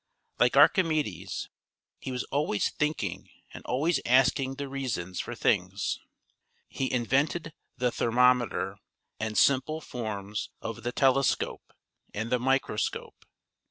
Like Archimedes he was always thinking and always asking the reasons for things. He invented the thermometer and simple forms of the telescope and the microscope.